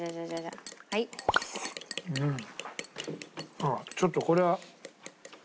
あっちょっとこれはうん。